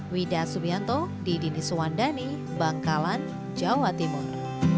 widah subianto di dini suwandani bangkalan jawa timur